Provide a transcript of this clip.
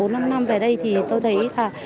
bốn năm năm về đây thì tôi thấy là